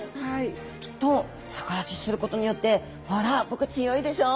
きっと逆立ちすることによってほら僕強いでしょうって